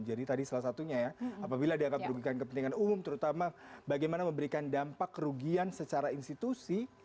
jadi tadi salah satunya ya apabila dianggap merugikan kepentingan umum terutama bagaimana memberikan dampak kerugian secara institusi